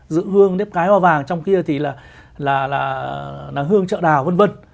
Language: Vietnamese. giữ hương nếp cái hoa vàng trong kia thì là hương chợ đào v v